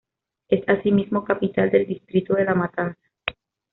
Es asimismo capital del distrito de La Matanza.